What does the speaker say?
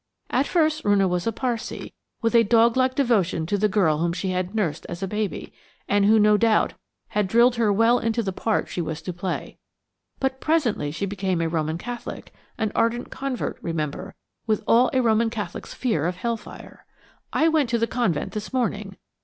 At first Roonah was a Parsee, with a dog like devotion to the girl whom she had nursed as a baby, and who no doubt had drilled her well into the part she was to play. But presently she became a Roman Catholic–an ardent convert, remember, with all a Roman Catholic's fear of hell fire. I went to the convent this morning.